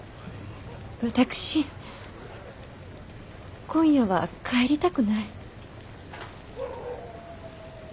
私今夜は帰りたくない。